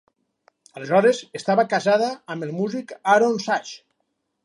Aleshores, estava casada amb el músic Aaron Sachs.